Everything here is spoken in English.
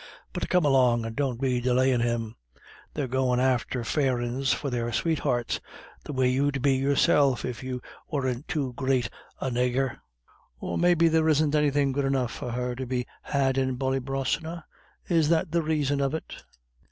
"But come along and don't be delayin' thim. They're goin' after fairin's for their sweethearts, the way you'd be yourself if you worn't too great a naygur. Or, maybe, there isn't anythin' good enough for her to be had in Ballybrosna is that the raison of it?"